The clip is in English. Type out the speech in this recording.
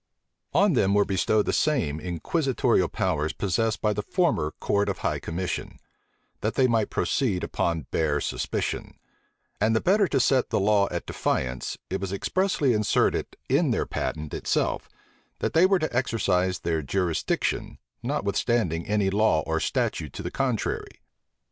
On them were bestowed the same inquisitorial powers possessed by the former court of high commission: they might proceed upon bare suspicion; and the better to set the law at defiance, it was expressly inserted in their patent itself, that they were to exercise their jurisdiction, notwithstanding any law or statute to the contrary.